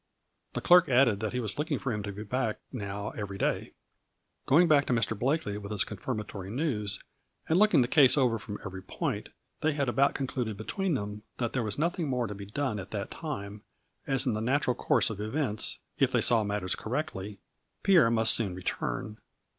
The clerk added that he was looking for him to be back now every day. Going back to Mr. Blakely with this confirm atory news, and looking the case over from every point, they had about concluded between them that there was nothing more to be done at that time, as in the natural course of events, if they saw matters correctly, Pierre must soon return.